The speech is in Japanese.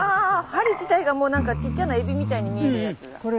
針自体がもう何かちっちゃなエビみたいに見えるやつだ。